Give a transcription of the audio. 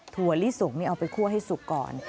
ถั่วลิสงนี่เอาไปคั่วให้สุกก่อน